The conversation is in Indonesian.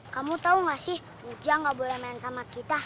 kamu tahu gak sih ujang gak boleh main sama kita